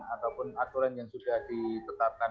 ataupun aturan yang sudah ditetapkan